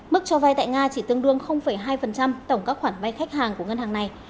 mức cho vay tại nga chỉ tương đương hai tổng các khoản vai khách hàng của ngân hàng này